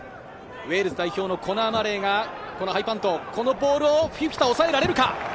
ウェールズ代表のコナー・マレーがハイパント、このボールをフィフィタ抑えられるか。